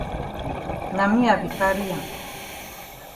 Na me I be carry am.